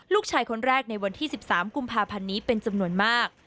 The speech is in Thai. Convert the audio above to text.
ลูกชายคนแรกในวันที่๑๓กุมภาพันธ์นี้เป็นจำนวนมาก